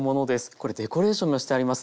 これデコレーションがしてあります。